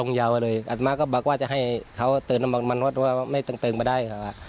นัดเลยอาสมากก็ให้เขาเติมเพราะว่ามันวัดตัวไม่เติมพอได้